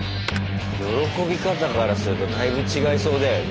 喜び方からするとだいぶ違いそうだよね。